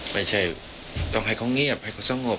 ไม่ใช่ต้องให้เขาเงียบให้เขาสงบ